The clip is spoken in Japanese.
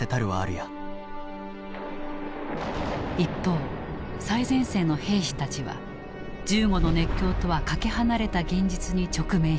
一方最前線の兵士たちは銃後の熱狂とはかけ離れた現実に直面していた。